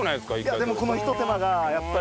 いやでもこのひと手間がやっぱり。